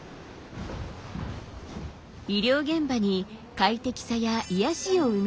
医療現場に快適さや癒やしを生み出すホスピタル